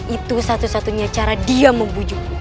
itu satu satunya cara dia membujuk